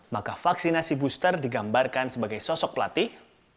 maka vaksinasi booster digambarkan sebagai sosok pelatih